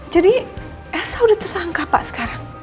jadi elsa udah tersangka pak sekarang